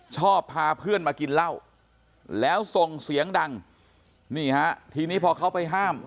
ชอบพาเพื่อนมากินเหล้าแล้วส่งเสียงดังนี่ฮะทีนี้พอเขาไปห้าม